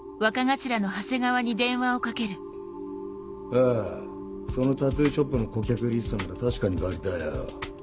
ああそのタトゥーショップの顧客リストなら確かに借りたよ。